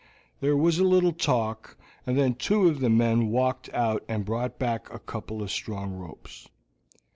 There was a little talk, and then two of the men went out and brought back a couple of strong ropes.